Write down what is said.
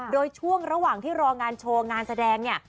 โดยช่วงระหว่างที่รองานโชว์งานแสดงเนี่ย